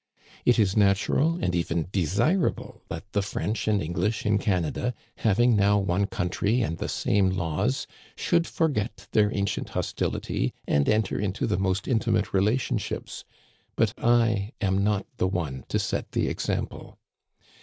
It is natural and even desirable that the French and English in Canada, having now one country and the same laws, should for get their ancient hostility and enter into the most inti mate relationships ; but I am not the one to set the ex ample.